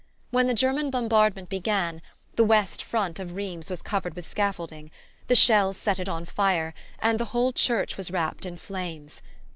When the German bombardment began, the west front of Rheims was covered with scaffolding: the shells set it on fire, and the whole church was wrapped in flames.